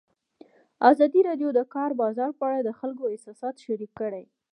ازادي راډیو د د کار بازار په اړه د خلکو احساسات شریک کړي.